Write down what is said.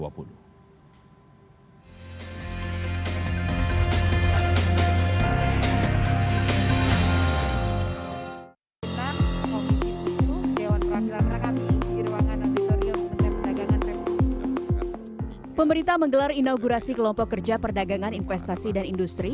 pemerintah menggelar inaugurasi kelompok kerja perdagangan investasi dan industri